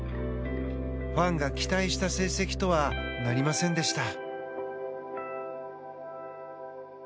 ファンが期待した成績とはなりませんでした。